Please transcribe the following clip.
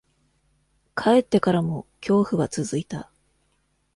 帰ってからも、恐怖は続いた。